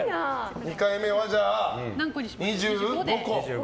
２回目は２５個。